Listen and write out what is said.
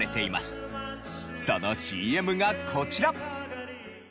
そのＣＭがこちら。